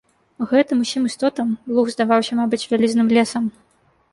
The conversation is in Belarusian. Гэтым усім істотам луг здаваўся, мабыць, вялізным лесам.